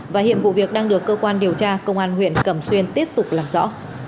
và hiện vụ việc đang được cơ quan điều tra công an huyện cẩm xuyên tiếp tục làm rõ